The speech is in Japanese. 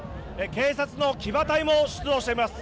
警察の騎馬隊も出動しています。